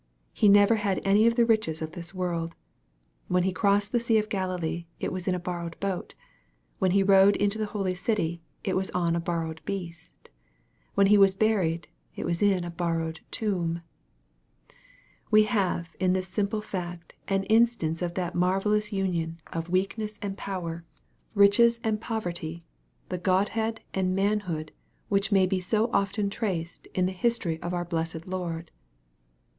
He never had any of the riches of this world. When He crossed the sea of Galilee, it was in a borrowed boat. When He rode into the holy city, it was on a borrowed beast. When He was buried, it was in a borrowed tomb. We have in this simple fact, an instance of that marvellous union of weakness* and power, riches and * I use the word " weakness" in this passage advisedly. There i MARK, CHAP. XI. 229 poverty, the godhead and the manhood, which may be so often traced in the history of our blessed Lord.